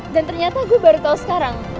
dan ternyata gue baru tau sekarang